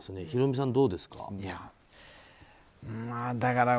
ヒロミさん、どうですか？